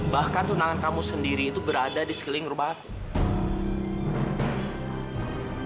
bahkan tunangan kamu sendiri itu berada di sekeliling rumah